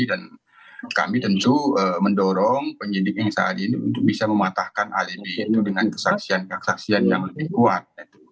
dan kami tentu mendorong penyidik yang saat ini untuk bisa mematahkan alibi itu dengan kesaksian kesaksian yang lebih kuat